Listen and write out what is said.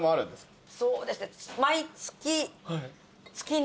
そうですね毎月。